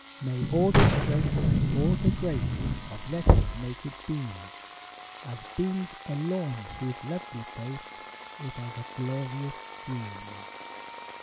May all the strength and all the grace Of Letters make it beam As beams a lawn whose lovely face Is as a glorious dream.